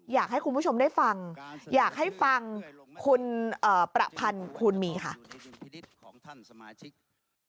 อยากให้คุณผู้ชมได้ฟังอยากให้ฟังคุณประพันธ์คูณมีค่ะ